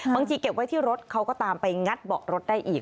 เก็บไว้ที่รถเขาก็ตามไปงัดเบาะรถได้อีก